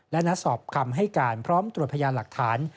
และนัดสอบคำให้การพร้อมตรวจพยานหลักฐาน